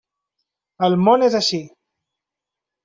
El món és així.